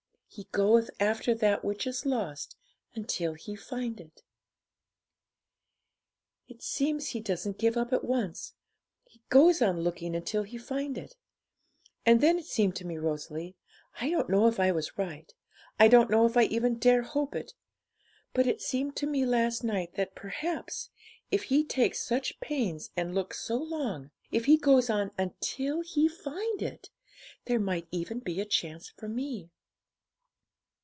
He goeth after that which is lost until He find it." It seems He doesn't give up at once, He goes on looking until He find it. And then it seemed to me, Rosalie I don't know if I was right, I don't know if I even dare hope it but it seemed to me last night that perhaps, if He takes such pains and looks so long, if He goes on until He find it, there might even be a chance for me.'